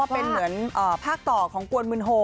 เป็นเหมือนภาคต่อของกวนมึนโฮ